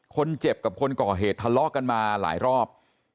คนเจ็บกับคนก่อเหตุทะเลาะกันมาหลายรอบ